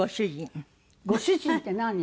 ご主人って何？